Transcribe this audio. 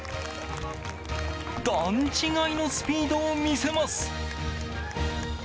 段違いのスピードを見せます！